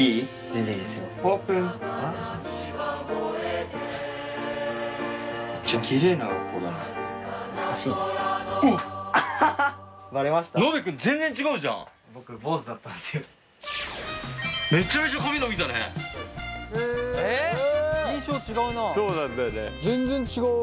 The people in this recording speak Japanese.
全然違う。